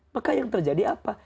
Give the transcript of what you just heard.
maka yang terjadi apa